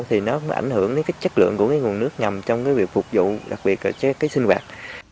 thì nó ảnh hưởng đến cái chất lượng của cái nguồn nước ngầm trong cái việc phục vụ đặc biệt là cái sinh hoạt